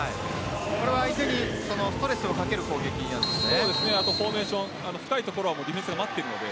これは相手にストレスをかける攻撃ですね。